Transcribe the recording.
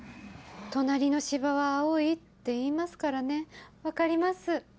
隣の芝は青いっていいますからね分かります。